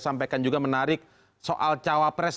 sampaikan juga menarik soal cawapres